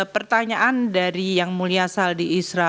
pertanyaan dari yang mulia saldi isra